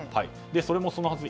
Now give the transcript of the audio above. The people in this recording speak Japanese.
それもそのはず